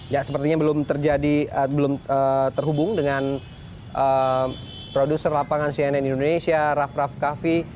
ya sepertinya belum terjadi belum terhubung dengan produser lapangan cnn indonesia raff raff kaffi